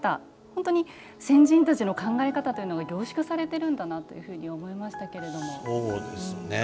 本当に先人たちの考え方というのが凝縮されてるんだなと思いましたけれども。